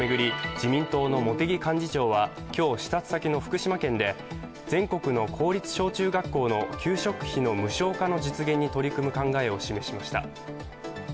自民党の茂木幹事長は今日、視察先の福島県で全国の公立小中学校の給食費の無償化の実現に取り組む考えを示しました。